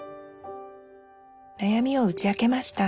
なやみを打ち明けました